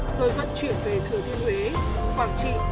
rồi vận chuyển về thừa thiên huế quảng trị